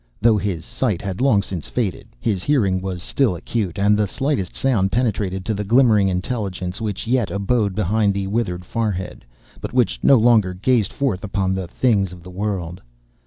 Though his sight had long since faded, his hearing was still acute, and the slightest sound penetrated to the glimmering intelligence which yet abode behind the withered forehead, but which no longer gazed forth upon the things of the world.